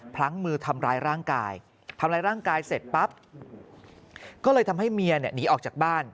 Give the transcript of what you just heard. พลั้งมือทำร้ายร่างกายทำร้ายร่างกายเสร็จปั๊บก็เลยทำให้เมียเนี่ยหนีออกจากบ้าน